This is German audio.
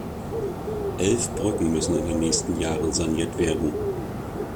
Elf Brücken müssen in den nächsten Jahren saniert werden.